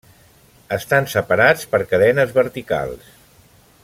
Estan separats per cadenes verticals.